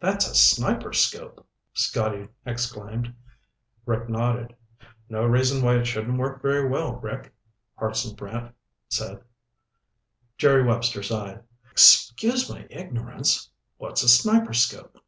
"That's a sniperscope!" Scotty exclaimed. Rick nodded. "No reason why it shouldn't work very well, Rick," Hartson Brant said. Jerry Webster sighed. "Excuse my ignorance. What's a sniperscope?"